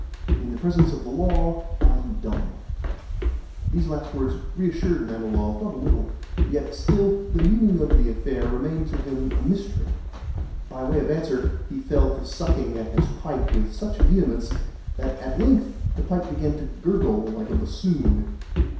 In the presence of the law I am dumb." These last words reassured Manilov not a little: yet still the meaning of the affair remained to him a mystery. By way of answer, he fell to sucking at his pipe with such vehemence that at length the pipe began to gurgle like a bassoon.